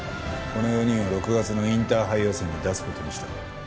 この４人を６月のインターハイ予選に出す事にした。